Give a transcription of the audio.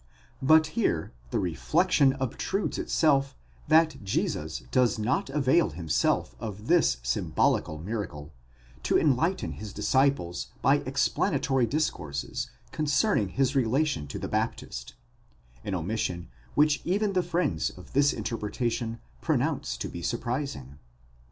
But here the reflection obtrudes itself, that Jesus does not avail himself of this symbolical miracle, to enlighten his disciples by explanatory discourses concerning his relation to the Baptist ; an omission which even the friends of this interpretation pronounce to be surprising.